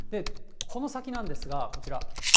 この先なんですが、こちら。